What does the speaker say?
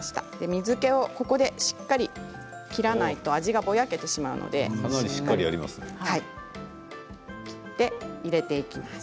水けをここでしっかり切らないと味がぼやけてしまうので切って入れていきます。